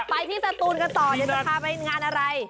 ไปที่สตูนกันต่อเดี๋ยวจะพาไปงานอะไร